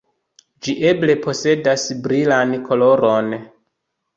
Ĝi eble posedas brilan koloron.